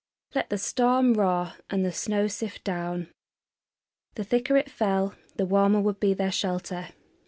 Let the storm roar and the snow sift down! The thicker it fell the warmer would be their shelter.